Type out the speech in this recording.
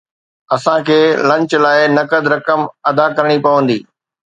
اسان کي لنچ لاءِ نقد رقم ادا ڪرڻي پوندي